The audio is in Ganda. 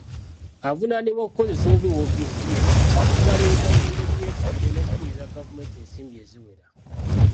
Avunaanibwa okukozesa obubi woofiisi ye, okubala ebitabo mu ngeri y'ekifere n'okufiiriza gavumenti ensimbi eziwera.